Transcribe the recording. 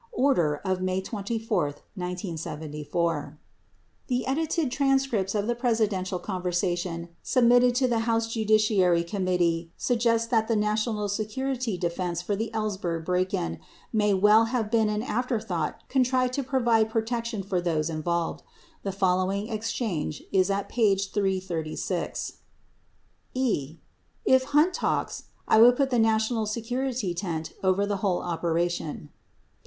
(Order of May 24, 1974.) The edited transcripts of Presidential conversa tions submitted to the House Judiciary Committee suggest that the "national security" defense for the Ellsberg break in may well have been an afterthought contrived to provide protection for those involved. 87 The following exchange is at page 336 : E. [If Hunt talks] I would put the national security tent over the whole operation.